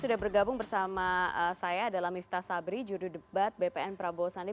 sudah bergabung bersama saya adalah miftah sabri judul debat bpn prabowo sandi